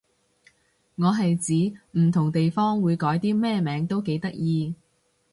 我係指唔同地方會改啲咩名都幾得意